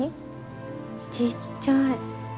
ちっちゃい。